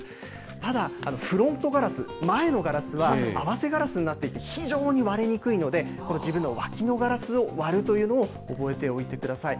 ただ、フロントガラス、前のガラスは、合わせガラスになっていて、非常に割れにくいので、これ、自分の脇のガラスを割るというのを覚えておいてください。